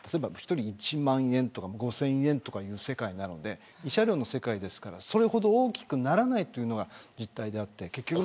１人１万円とか５０００円とかの世界なので慰謝料の世界ですからそれほど大きくならないというのが実態です。